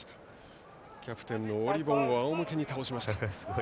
キャプテンのオリボンをあお向けに倒しました。